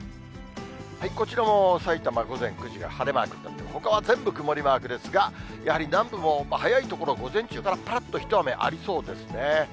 こちらもさいたま、午前９時が晴れマークになってる、ほかは全部曇りマークですが、やはり南部も早い所では午前中からぱらっと一雨ありそうですね。